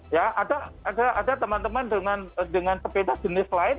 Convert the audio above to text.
ya ada teman teman dengan sepeda jenis lain